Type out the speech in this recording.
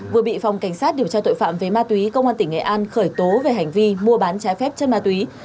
vừa bị phòng cảnh sát điều tra tội phạm về ma túy công an tỉnh nghệ an khởi tố về hành vi mua bán trái phép chất ma túy